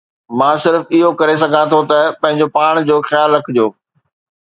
مان صرف اهو ڪري سگهان ٿو ته پنهنجو پاڻ جو خيال رکجو